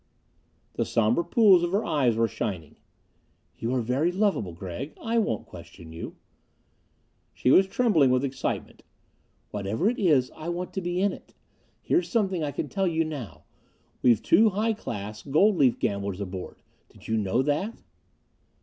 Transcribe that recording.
The somber pools of her eyes were shining. "You are very lovable, Gregg. I won't question you." She was trembling with excitement. "Whatever it is, I want to be in it. Here's something I can tell you now. We've two high class gold leaf gamblers aboard. Did you know that?"